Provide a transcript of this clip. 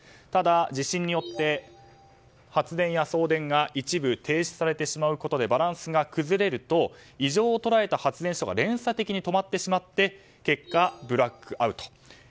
ただ、地震によって発電や送電一部停止されてしまうことでバランスが崩れると異常を捉えた発電所が連鎖的に止まってしまって結果、ブラックアウト。